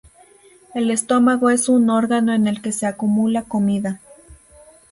El estómago es un órgano en el que se acumula comida.